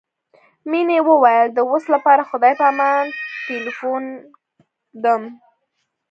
مينې وويل د اوس لپاره خدای په امان ټليفون ږدم.